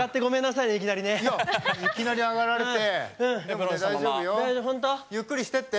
いきなり上がられて。